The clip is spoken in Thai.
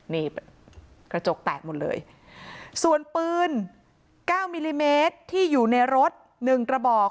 นี่กระจกแตกหมดเลยส่วนปืนเก้ามิลลิเมตรที่อยู่ในรถหนึ่งกระบอก